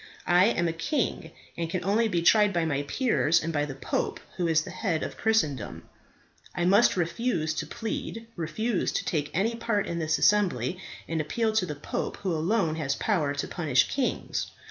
I am a king, and can only be tried by my peers and by the pope, who is the head of Christendom. I might refuse to plead, refuse to take any part in this assembly, and appeal to the pope, who alone has power to punish kings.